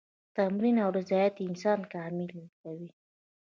تمرین او ریاضت انسان کامل کوي.